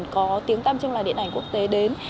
có tiếng tâm chung là điện ảnh quốc tế đến